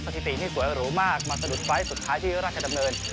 สติดิกที่สวยหรูมากมาสะดุดไฟต์สุดท้ายที่รากเจ้าจำนือน